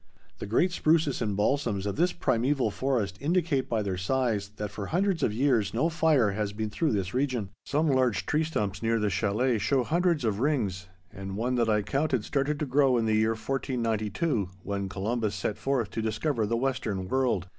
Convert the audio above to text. The great spruces and balsams of this primeval forest indicate by their size that for hundreds of years no fire has been through this region. Some large tree stumps near the chalet show hundreds of rings, and one that I counted started to grow in the year 1492, when Columbus set forth to discover the western world.